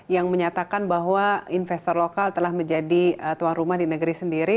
yang menyatakan bahwa investor lokal telah menjadi tuan rumah di negeri sendiri